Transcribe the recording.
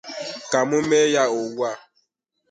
ka m mee ya ugbụ a